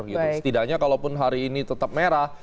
setidaknya kalaupun hari ini tetap merah